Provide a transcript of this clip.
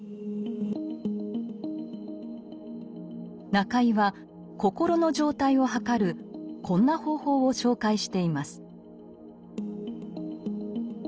中井は心の状態をはかるこんな方法を紹介しています。